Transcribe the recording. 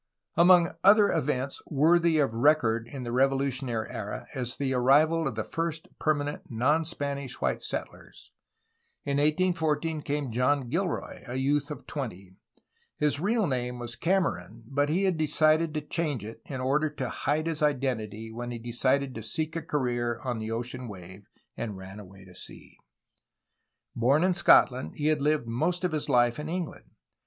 ERA OF THE WARS OF INDEPENDENCE, 1810 1822 451 Among other events worthy of record in the revolutionary era is the arrival of the first permanent non Spanish white settlers. In 1814 came John Gilroy, a youth of twenty. His real name was Cameron, but he had changed it in order to hide his identity when he decided to seek a career "on the ocean wave/' and ran away to sea. Born in Scotland he had lived most of his life in England.